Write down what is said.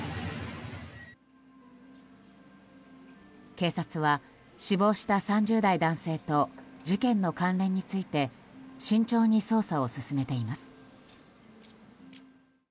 警察は、死亡した３０代男性と事件の関連について慎重に捜査を進めています。